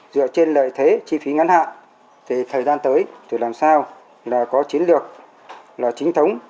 dựa trên lợi thế chi phí ngân hạn thì thời gian tới để làm sao là có chiến lược là chính thống